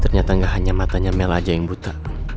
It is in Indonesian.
ternyata nggak hanya matanya mel aja yang buta